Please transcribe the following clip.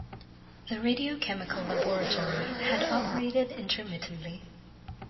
The Radiochemical Laboratory had operated intermittently.